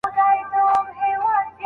پاپانو په سياسي چارو کي لاس درلود.